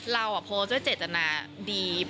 เราโพสต์ด้วยเจตนาดี